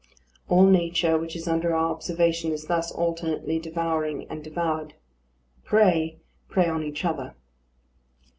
All nature which is under our observation is thus alternately devouring and devoured. The prey prey on each other.